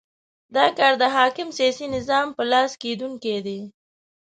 دا کار د حاکم سیاسي نظام په لاس کېدونی دی.